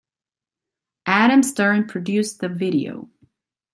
Adam Stern produced the video.